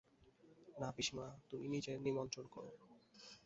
না পিসিমা, তুমি নিজে নিমন্ত্রণ করো।